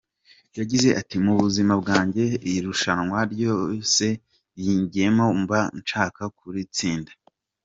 Yagize ati “Mu buzima bwanjye irushanwa ryose ngiyemo mba nshaka kuritsinda.